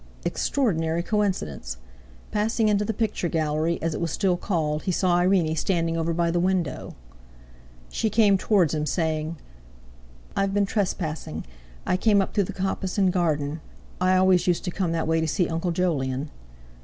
Extraordinary coincidence! Passing into the picture gallery, as it was still called, he saw Irene standing over by the window. She came towards him saying: "I've been trespassing; I came up through the coppice and garden. I always used to come that way to see Uncle Jolyon."